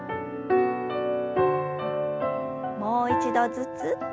もう一度ずつ。